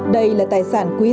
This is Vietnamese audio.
đây là tài sản quý giá